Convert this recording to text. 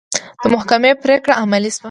د محکمې پرېکړه عملي شوه.